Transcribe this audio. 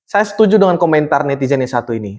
saya setuju dengan komentar netizen yang satu ini